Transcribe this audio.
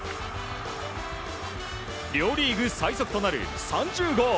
両リーグ最速となる３０号。